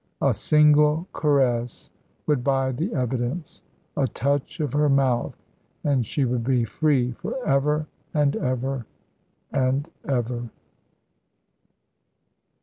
A single caress would buy the evidence; a touch of her mouth, and she would be free for ever and ever and ever.